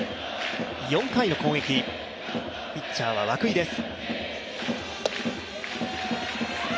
４回の攻撃、ピッチャーは涌井です。